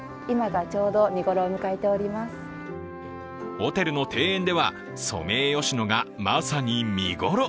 ホテルの庭園ではソメイヨシノがまさに見頃。